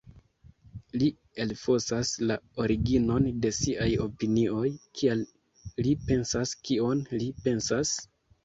Li elfosas la originon de siaj opinioj: “kial li pensas kion li pensas?